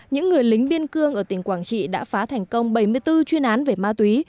những người lính biên cương ở tỉnh quảng trị đã phá thành công bảy mươi bốn chuyên án về ma túy